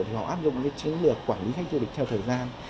thì họ áp dụng cái chiến lược quản lý khách du lịch theo thời gian